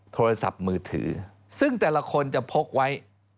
โทรศัพท์มือถือซึ่งแต่ละคนจะพกไว้